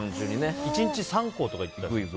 １日３校とか行ったりね。